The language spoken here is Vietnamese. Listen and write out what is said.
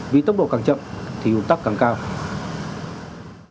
vì tốc độ càng chậm thì ủn tắc càng cao